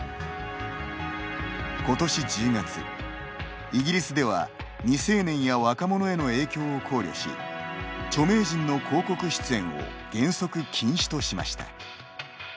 今年１０月、イギリスでは未成年や若者への影響を考慮し著名人の広告出演を原則禁止としました。